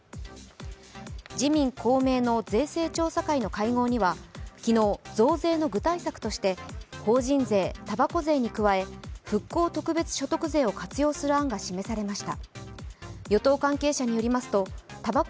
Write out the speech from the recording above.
自民・公明の税制調査会の会合では昨日、増税の具体策として法人税、たばこ税に加え復興特別所得税を活用する案が示されました。